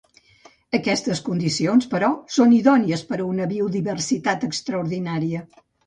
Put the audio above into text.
Aquestes condicions, però, són idònies per a una biodiversitat extraordinària.